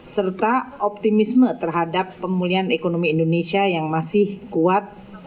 serta optimisme terhadap pemulihan ekonomi indonesia yang masih kuat